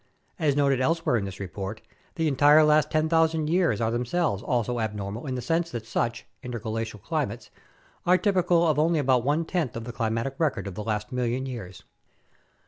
As noted elsewhere in this report, the entire last 10,000 years are themselves also abnormal in the sense that such (interglacial) climates are typical of only about one tenth of the climatic record of the last million years.